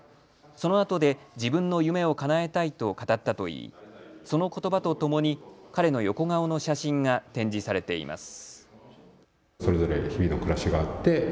そのあとで自分の夢をかなえたいと語ったといいそのことばとともに彼の横顔の写真が展示されています。